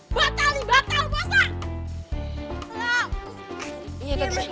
batal nih batal puasa